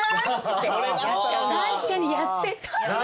確かにやってた昔。